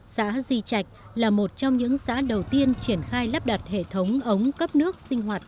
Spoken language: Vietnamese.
xã di trạch là một trong những xã đầu tiên triển khai lắp đặt hệ thống ống cấp nước sinh hoạt